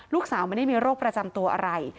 ลูกสาวไม่ได้มีโรคประจำตัวอะไร